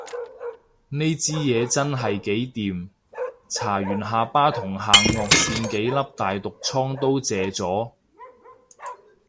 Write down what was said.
呢支嘢真係幾掂，搽完下巴同下頷線幾粒大毒瘡都謝咗